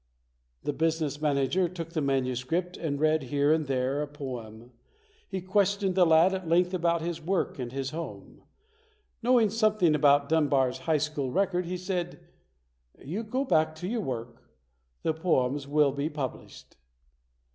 The business manager took the manuscript and read here and there a poem. He questioned the lad at length about his PAUL LAURENCE DUNBAR [ 47 work and his home. Knowing something about Dunbar's high school record, he said, "You go back to your work; the poems will be published".